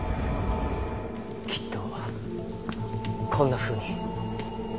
きっとこんなふうに。